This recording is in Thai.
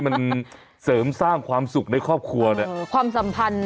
มันเสริมสร้างความสุขในครอบครัวเนี่ยความสัมพันธ์